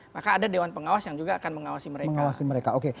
maka ada dewan pengawas yang juga akan mengawasi mereka